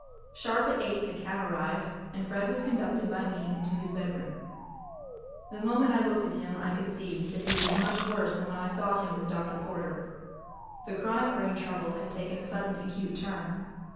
Sharp at eight a cab arrived, and Fred was conducted by me into his bedroom. The moment I looked at him I could see that he was much worse than when I saw him with Dr. Porter. The chronic brain trouble had taken a sudden acute turn.